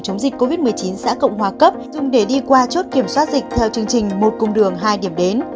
chống dịch covid một mươi chín xã cộng hòa cấp dùng để đi qua chốt kiểm soát dịch theo chương trình một cung đường hai điểm đến